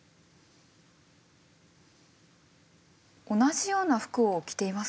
同じような服を着ていますね。